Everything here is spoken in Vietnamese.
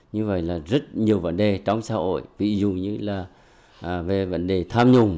như vậy là rất nhiều vấn đề trong xã hội ví dụ như là về vấn đề tham nhùng